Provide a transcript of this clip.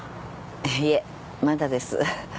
いいえまだです。